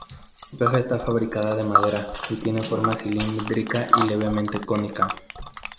Su caja está fabricada de madera, y tiene forma cilíndrica y levemente cónica.